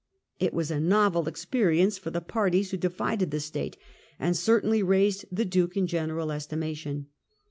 It was a novel experience for the parties who divided the State, and certainly raised the Duke in general estimation.